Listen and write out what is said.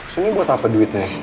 soalnya buat apa duitnya